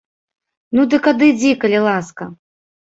Ну дык адыдзі, калі ласка.